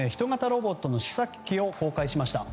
ロボットの試作機を公開しました。